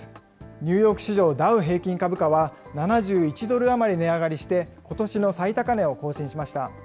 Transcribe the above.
ニューヨーク市場ダウ平均株価は７１ドル余り値上がりして、ことしの最高値を更新しました。